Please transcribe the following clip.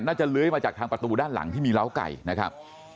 เลื้อยมาจากทางประตูด้านหลังที่มีเล้าไก่นะครับ